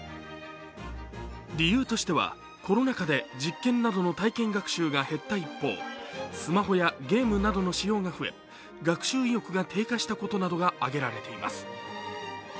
理由としてはコロナ禍で実験などの体験学習が減った一方、スマホやゲームなどの使用が増え学習意欲が低下したことなどが挙げられています。